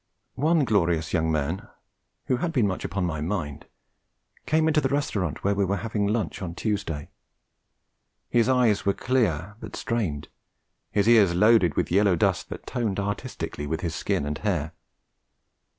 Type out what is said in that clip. One glorious young man, who had been much upon my mind, came into the restaurant where we were having lunch on the Tuesday. His eyes were clear but strained, his ears loaded with yellow dust that toned artistically with his skin and hair.